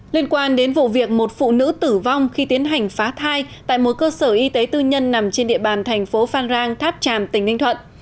liên quan đến vụ việc một phụ nữ tử vong khi tiến hành phá thai tại một cơ sở y tế tư nhân nằm trên địa bàn thành phố phan rang tháp tràm tỉnh ninh thuận